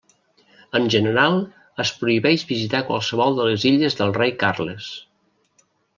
En general, es prohibeix visitar qualsevol de les illes del Rei Carles.